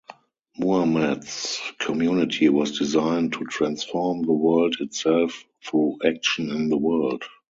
Muhammad's community was designed to transform the world itself through action in the world.